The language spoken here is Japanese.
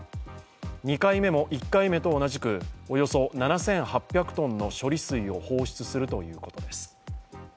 ２回目も１回目と同じくおよそ７８００ｔの処理水を放出するということです。